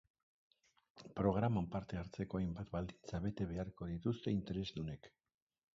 Programan parte hartzeko hainbat baldintza bete beharko dituzte interesdunek.